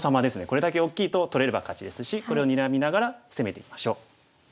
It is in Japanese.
これだけ大きいと取れれば勝ちですしこれをにらみながら攻めていきましょう。